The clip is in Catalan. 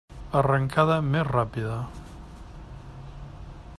Arrencada més ràpida.